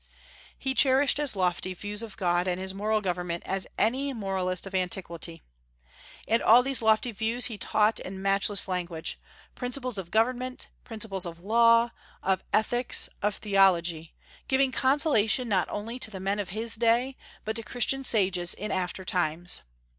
He cherished as lofty views of God and his moral government as any moralist of antiquity. And all these lofty views he taught in matchless language, principles of government, principles of law, of ethics, of theology, giving consolation not only to the men of his day, but to Christian sages in after times.